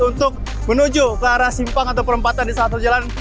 untuk menuju ke arah simpang atau perempatan di satu jalan